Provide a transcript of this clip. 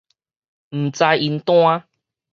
毋知因端